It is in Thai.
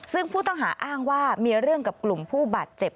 ซึ่งผู้ต้องหาอ้างว่ามีเรื่องกับกลุ่มผู้บาดเจ็บ